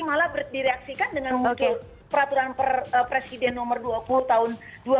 malah direaksikan dengan peraturan presiden nomor dua puluh tahun dua ribu delapan belas